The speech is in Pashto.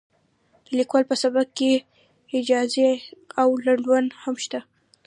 د لیکوال په سبک کې ایجاز او لنډون هم شته.